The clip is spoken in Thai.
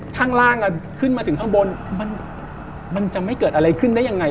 ข้างล่างขึ้นมาถึงข้างบนมันจะไม่เกิดอะไรขึ้นได้ยังไง